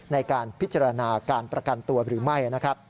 ในการพิจารณาการประกันตัวหรือไม่นะครับ